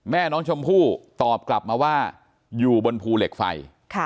แม่น้องชมพู่ตอบกลับมาว่าอยู่บนภูเหล็กไฟ